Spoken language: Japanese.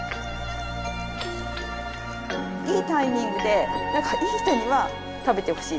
いいタイミングでいい人には食べてほしい。